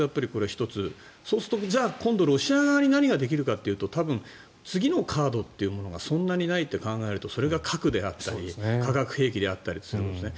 そうすると、今度ロシア側に何ができるかというと次のカードというものがそんなにないって考えるとそれが核であったり化学兵器であったりすると思うんですね。